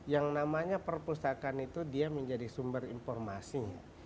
yang namanya perpustakaan itu dia menjadi sumber informasi